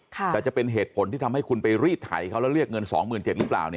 แต่จะเป็นเหตุผลที่ทำให้คุณไปรีดไถเขาแล้วเรียกเงิน๒๗๐๐หรือเปล่า